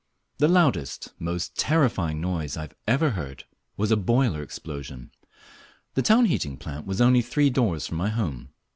The loudest, most terrifying noise I ever heard was a boiler explosion. The town heating plant was only three doors from my home.